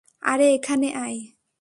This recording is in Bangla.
আরে এখানে আয়।